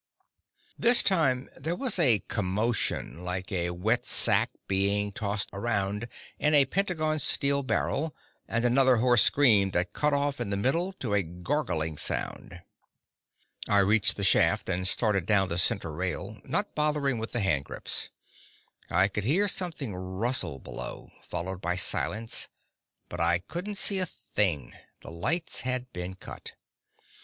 This time, there was a commotion, like a wet sack being tossed around in a pentagonal steel barrel, and another hoarse scream that cut off in the middle to a gargling sound. I reached the shaft and started down the center rail, not bothering with the hand grips. I could hear something rustle below, followed by silence, but I couldn't see a thing; the lights had been cut.